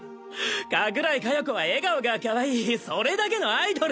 加倉井加代子は笑顔がカワイイそれだけのアイドル。